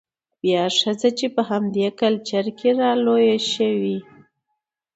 بيا ښځه چې په همدې کلچر کې رالوى شوې،